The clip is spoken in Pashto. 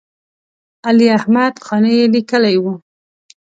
علي احمد قانع یې لیکلی و.